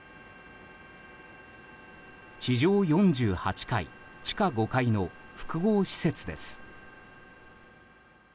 地上４８階地下５階の複合施設です。